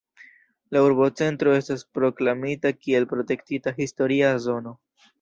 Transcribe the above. La urbocentro estas proklamita kiel protektita historia zono.